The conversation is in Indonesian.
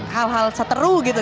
hal hal seteru gitu